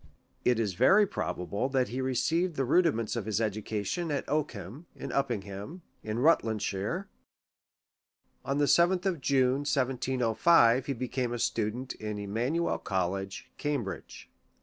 It is very probable that he received the rudiments of his education at Oakham, or Uppingham, in Rut landshire: on the 7th of June, 1705, he became a student in Emmanuel College, Cambridge.